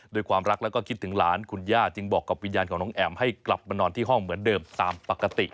ด้วยความรักแล้วก็คิดถึงหลานคุณย่าจึงบอกกับวิญญาณของน้องแอ๋มให้กลับมานอนที่ห้องเหมือนเดิมตามปกติ